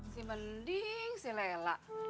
si mending si lela